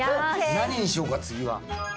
何にしようか次は。